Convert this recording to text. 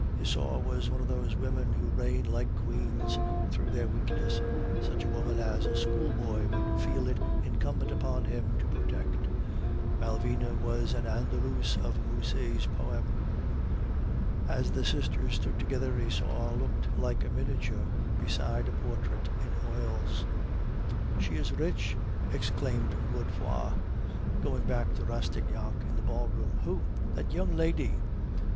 Isaure was one of those women who reign like queens through their weakness, such a woman as a schoolboy would feel it incumbent upon him to protect; Malvina was the Andalouse of Musset's poem. As the sisters stood together, Isaure looked like a miniature beside a portrait in oils. "'She is rich!' exclaimed Godefroid, going back to Rastignac in the ballroom. "'Who?' "'That young lady.